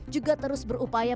jangan lupa giat